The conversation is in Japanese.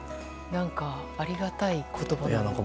何か、ありがたい言葉だなって。